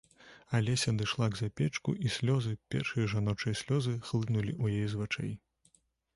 Алеся адышла к запечку, і слёзы, першыя жаночыя слёзы, хлынулі ў яе з вачэй.